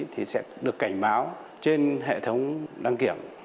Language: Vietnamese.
thì sẽ được cảnh báo trên hệ thống đăng kiểm